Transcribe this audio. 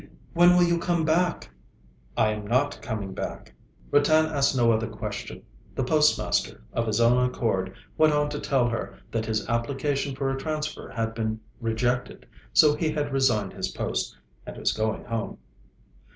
'When will you come back?' 'I am not coming back.' Ratan asked no other question. The postmaster, of his own accord, went on to tell her that his application for a transfer had been rejected, so he had resigned his post, and was going home.